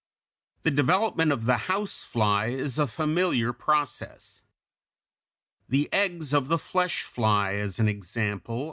] The development of the house fly is a familiar process. The eggs of the flesh fly, as an example (Fig.